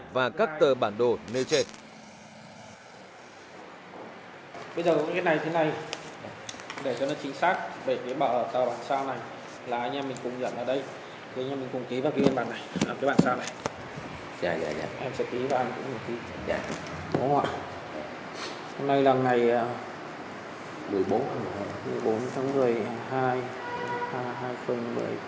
và các tờ bản đồ nêu trên